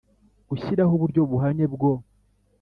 Gushyiraho uburyo buhamye bwo